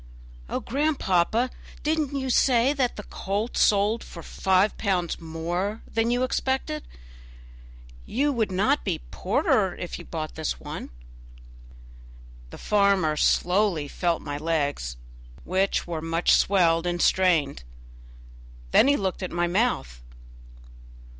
"Oh, grandpapa, did you not say the colt sold for five pounds more than you expected? You would not be poorer if you did buy this one." The farmer slowly felt my legs, which were much swelled and strained; then he looked at my mouth.